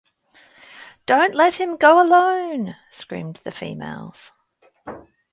‘Don’t let him go alone!’ screamed the females.